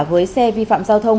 với xe vi phạm giao thông